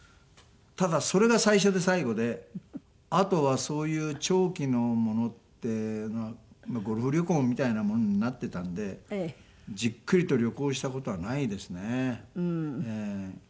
ただそれが最初で最後であとはそういう長期のものっていうのはゴルフ旅行みたいなものになってたんでじっくりと旅行した事はないですねええ。